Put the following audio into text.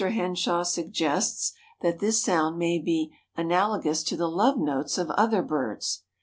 Henshaw suggests that this sound may be "analogous to the love notes of other birds."